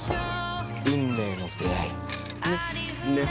運命の出会い。ね？